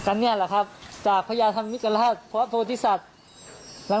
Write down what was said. ตอนเนี้ยหรอครับจากพระยาธรรมิกราศพระอภูติศัตริย์